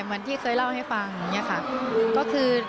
เหมือนที่เคยเล่าให้ฟังอย่างนี้ค่ะ